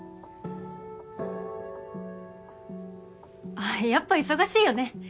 あっやっぱ忙しいよね。